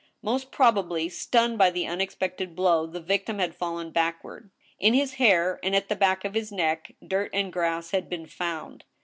Most probably, stunned by the unexpected blow, the victim had fallen backward. In his hair, and at the back of his neck, dirt and grass had been found.